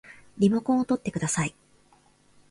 リモコンをとってください